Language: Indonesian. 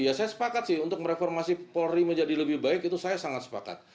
ya saya sepakat sih untuk mereformasi polri menjadi lebih baik itu saya sangat sepakat